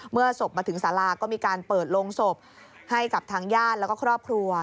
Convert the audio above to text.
ศพมาถึงสาราก็มีการเปิดโรงศพให้กับทางญาติแล้วก็ครอบครัว